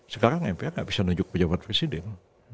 sekarang mpr tidak bisa menunjuk pejabat presiden